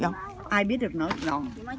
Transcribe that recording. ai biết được nói gì đó